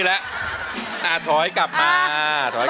แต่ข้าตัวน้อง